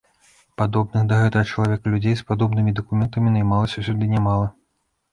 Падобных да гэтага чалавека людзей з падобнымі дакументамі наймалася сюды нямала.